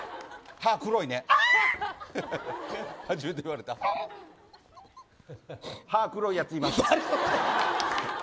歯黒いやついます。